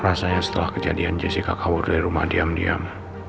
rasanya setelah kejadian jessica kabur dari rumah diam diam